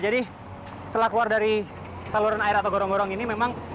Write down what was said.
setelah keluar dari saluran air atau gorong gorong ini memang